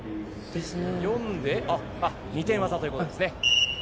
４で、あっ、２点技ということですね。